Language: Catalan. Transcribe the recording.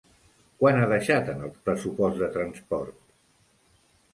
Quant ha deixat en el pressupost de transport?